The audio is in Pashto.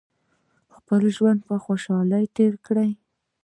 خپل ژوند په خوښۍ تیر کړئ